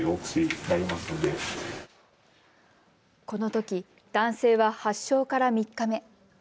このとき男性は発症から３日目。